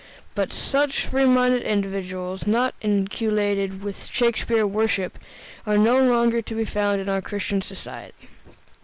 But such free minded individuals, not inoculated with Shakespeare worship, are no longer to be found in our Christian society.